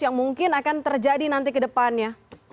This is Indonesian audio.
yang mungkin akan terjadi nanti ke depannya